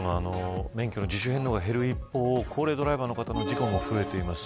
免許の自主返納が減る一方高齢ドライバーの方は増えています。